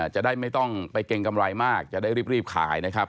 จะได้ไม่ต้องไปเกรงกำไรมากจะได้รีบขายนะครับ